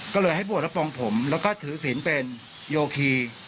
ก็เลยให้บวชแล้วปรงผมแล้วก็ถือฝีนเป็นโยคี